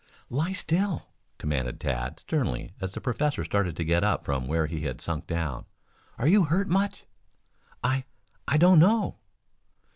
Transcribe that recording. "Lie still!" commanded Tad sternly as the professor started to get up from where he had sunk down. "Are you much hurt?" "I I don't know."